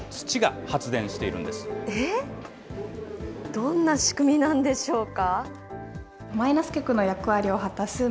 どんな仕組みなんでしょうか。